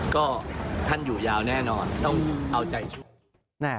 ก็ท่านอยู่ยาวแน่นอนต้องเอาใจ